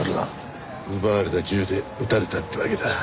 奪われた銃で撃たれたってわけだ。